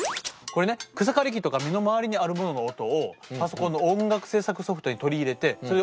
これね草刈り機とか身の回りにあるものの音をパソコンの音楽制作ソフトに取り入れてそれを音楽にして構築してるのよ。